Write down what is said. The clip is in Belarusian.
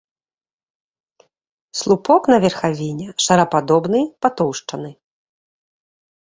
Слупок на верхавіне шарападобны патоўшчаны.